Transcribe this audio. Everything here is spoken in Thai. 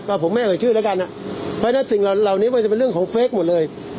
ก็ผมไม่เอ่ยชื่อแล้วกันอ่ะเพราะฉะนั้นสิ่งเหล่านี้มันจะเป็นเรื่องของเฟคหมดเลย